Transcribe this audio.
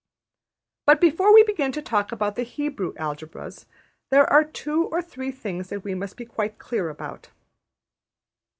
But, before we begin to talk about the Hebrew Algebras, there are two or three things that we must be quite clear about.